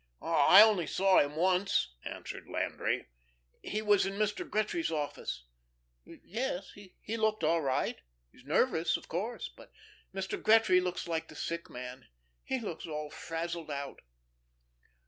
"I only saw him once," answered Landry. "He was in Mr. Gretry's office. Yes, he looked all right. He's nervous, of course. But Mr. Gretry looks like the sick man. He looks all frazzled out."